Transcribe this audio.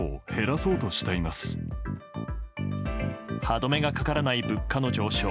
歯止めがかからない物価の上昇。